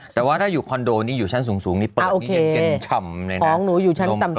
แต่ถ้าว่าอยู่คอนโดนี้อยู่ชั้นสูงเปลี่ยงเก่งช่ำเลยนะยุงโกรธ